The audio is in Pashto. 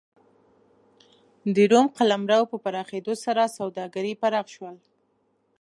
د روم قلمرو په پراخېدو سره سوداګري پراخ شول